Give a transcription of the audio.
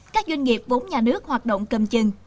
các doanh nghiệp vốn nhà nước hoạt động cầm chừng